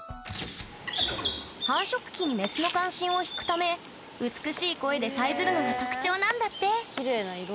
繁殖期にメスの関心をひくため美しい声でさえずるのが特徴なんだってきれいな色！